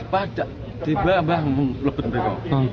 pak di belakang